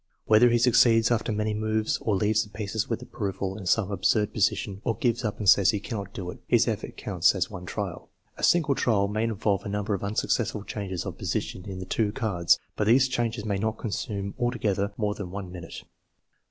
Whether he succeeds after many moves, or leaves the pieces with approval in some absurd position, or gives up and says he cannot do it, his effort counts as one trial. A single trial may involve a number of unsuccessful changes of position in the two TEST NO. V, 5 171 cards, but these changes may not consume altogether more than one minute.